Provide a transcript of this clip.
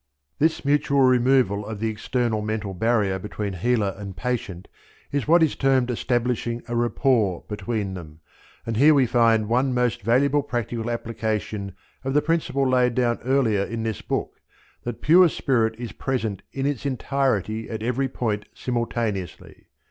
This mutual removal of the external mental barrier between healer and patient is what is termed establishing a rapport between them, and here we find one most valuable practical application of the principle laid down earlier in this book, that pure spirit is present in its entirety at every point simultaneously.